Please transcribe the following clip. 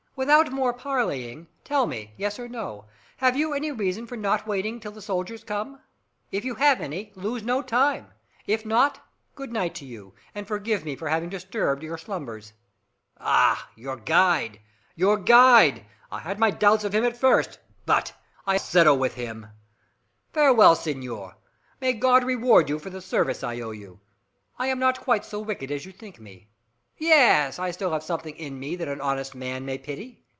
Without more parleying, tell me, yes or no, have you any reason for not waiting till the soldiers come? If you have any, lose no time! If not, good night to you, and forgive me for having disturbed your slumbers!" "Ah, your guide! Your guide! I had my doubts of him at first but I'll settle with him! Farewell, senor. May God reward you for the service I owe you! I am not quite so wicked as you think me. Yes, I still have something in me that an honest man may pity.